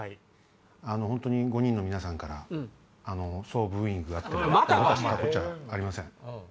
本当に５人の皆さんから総ブーイングがあっても僕は知ったこっちゃありません。